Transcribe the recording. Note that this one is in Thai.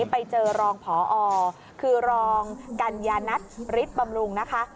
คือโรงพอคือโรงกัญญาณัฐฤทธิ์บำรุงนะคะ